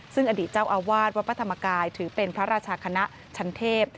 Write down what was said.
ซึ่งอดีตเจ้าอาวาสวัดพระธรรมกายถือเป็นพระราชคณะชั้นเทพ